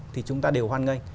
thì chúng ta đều hoan nghênh